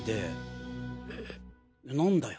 何だよ。